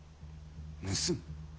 盗む？